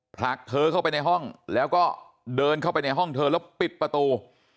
ผลักเธอเข้าไปในห้องแล้วก็เดินเข้าไปในห้องเธอแล้วปิดประตู